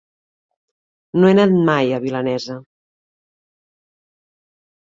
No he anat mai a Vinalesa.